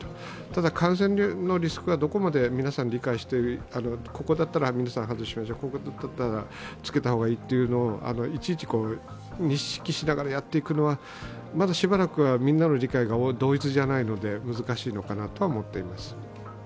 ただ、感染のリスクがどこまで皆さん理解しているのか、ここだったら皆さん外しましょう、ここだったらつけた方がいいといちいち認識しながらやっていくのはまだしばらくはみんなの理解が同一じゃないので、難しいのかなと思っています。